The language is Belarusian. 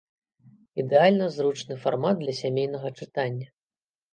Ідэальна зручны фармат для сямейнага чытання.